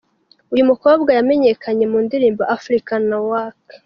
Uyu mukobwa yamenyekanye mu ndirimbo ‘Africa Awake’.